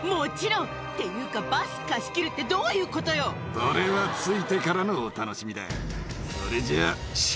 それは着いてからのお楽しみだ。